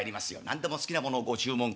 「何でも好きなものをご注文ください」。